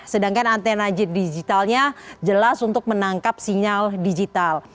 sedangkan antenagi digitalnya jelas untuk menangkap sinyal digital